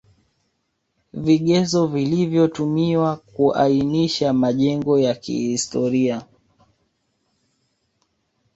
Vigezo vilivyotumiwa kuainisha majengo ya kihstoria